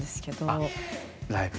あライブ？